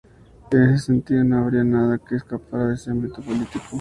En ese sentido, no habría nada que escapara de ese ámbito político.